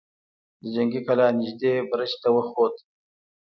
د جنګي کلا نږدې برج ته وخوت.